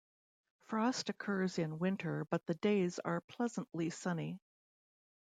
Frost occurs in winter but the days are pleasantly sunny.